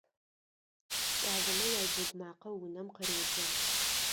КӀалэмэ яджэгу макъэ унэм къыредзэ.